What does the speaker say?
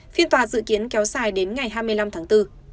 phiên tòa dự kiến kéo dài đến ngày hai mươi năm tháng bốn